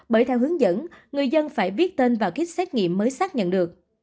bởi theo hướng dẫn người dân phải viết tên vào kit xét nghiệm mới xác nhận được